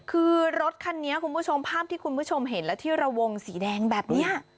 คือรถคันนี้คุณผู้ชมภาพที่คุณผู้ชมเห็นและที่ระวงสีแดงแบบนี้